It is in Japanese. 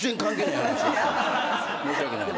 申し訳ないです。